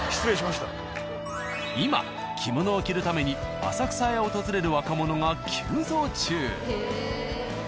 今着物を着るために浅草へ訪れる若者が急増中。